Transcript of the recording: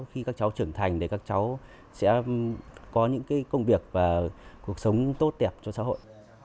khi các cháu trưởng thành thì các cháu sẽ có những công việc và cuộc sống tốt đẹp cho xã hội